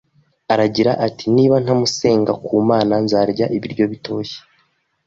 Aragira ati, niba ntamusenga ku Mana, nzarya ibiryo bitoshye